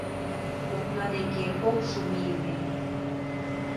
...Окна деке ок шу мийыме